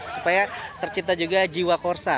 supaya tercipta juga jiwa korsa